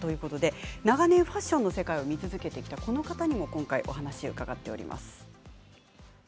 長年ファッションの世界を見続けてきたこの方にも聞きました。